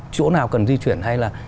chỗ nào cần di chuyển hay là